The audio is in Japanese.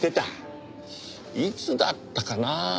いつだったかな。